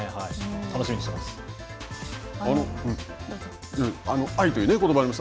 楽しみにしています。